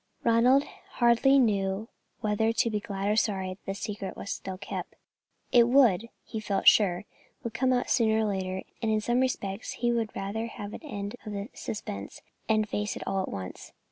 Ronald hardly knew whether to be glad or sorry that the secret was still kept. It would, he felt sure, come out sooner or later, and in some respects he would rather have an end of the suspense, and face it at once.